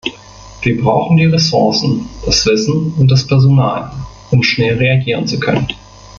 Wir brauchen die Ressourcen, das Wissen und das Personal, um schnell reagieren zu können.